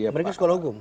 mereka sekolah hukum